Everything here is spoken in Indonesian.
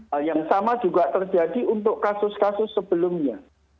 hal yang sama juga terjadi untuk kasus kasus sebelumnya